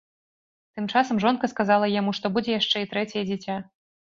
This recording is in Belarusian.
Тым часам жонка сказала яму, што будзе яшчэ і трэцяе дзіця.